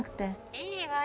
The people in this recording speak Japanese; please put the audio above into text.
いいわよ